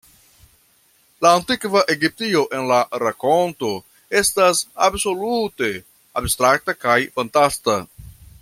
La antikva Egiptio en la rakonto estas absolute abstrakta kaj fantasta.